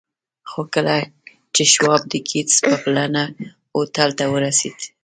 خو کله چې شواب د ګیټس په بلنه هوټل ته ورسېد